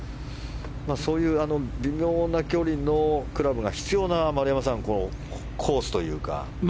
そういう微妙な距離のクラブが必要な丸山さん、このコースというか。